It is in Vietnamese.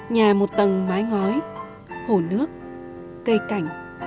nhà một tầng mái ngói hồ nước cây cảnh